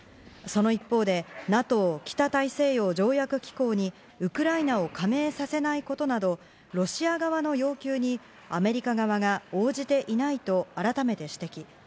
その一方でＮＡＴＯ＝北大西洋条約機構にウクライナを加盟させないことなどロシア側の要求にアメリカ側が応じていないと改めて指摘。